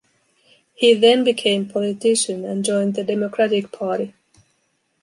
He then became politician and joined the Democratic Party.